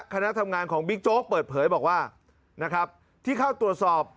คณะทำงานของบิ๊กโจ๊กเปิดเผยบอกว่านะครับที่เข้าตรวจสอบ